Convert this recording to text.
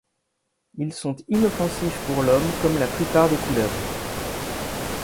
Ils sont inoffensifs pour l’homme comme la plupart des couleuvres.